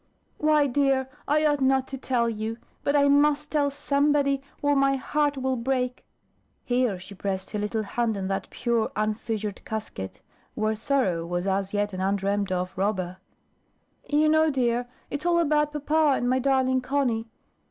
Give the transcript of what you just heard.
"Why, dear, I ought not to tell you; but I must tell somebody, or my heart will break." Here she pressed her little hand on that pure unfissured casket, where sorrow was as yet an undreamed of robber. "You know, dear, it's all about papa and my darling Conny.